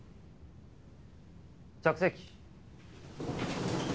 着席。